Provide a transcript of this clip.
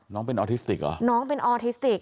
น้องเป็นออทิสติกเหรอน้องเป็นออทิสติก